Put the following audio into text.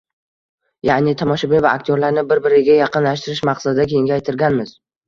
ya’ni tomoshabin va aktyorlarni bir-biriga yaqinlashtirish maqsadida kengaytirganmiz.